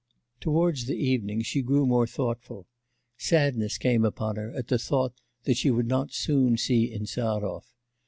Towards the evening, she grew more thoughtful. Sadness came upon her at the thought that she would not soon see Insarov.